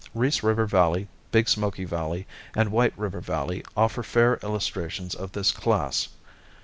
Reese River Valley, Big Smoky Valley, and White River Valley offer fair illustrations of this class.